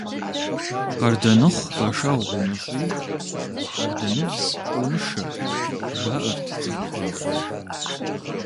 «Къардэныхъу пэшэгъу умыщӀи, къардэныбз къыумышэ», – жаӀэрт цӀыхухэм.